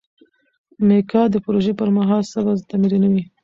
میکا د روژې پر مهال صبر تمرینوي.